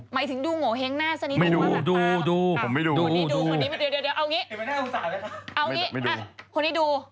หมายถึงดูหงวเห้งหน้าซะนี้มันว่าแบบนั้นอะไรอะตามไปเดี๋ยว